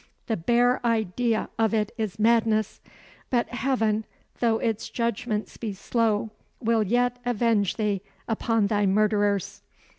The bare idea of it is madness. But Heaven, though its judgments be slow, will yet avenge thee upon thy murderers!"